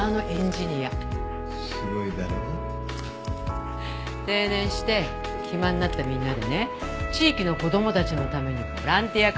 すごいだろ？定年して暇になったみんなでね地域の子供たちのためにボランティア活動しようって。